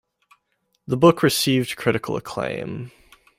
The book received critical acclaim.